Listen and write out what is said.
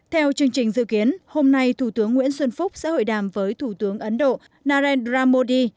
theo chương trình dự kiến hôm nay thủ tướng nguyễn xuân phúc sẽ hội đàm với thủ tướng ấn độ narendra modi